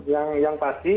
ya yang pasti